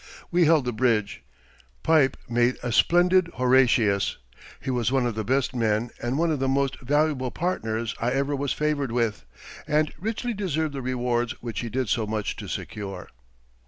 We held the bridge. "Pipe" made a splendid Horatius. He was one of the best men and one of the most valuable partners I ever was favored with, and richly deserved the rewards which he did so much to secure.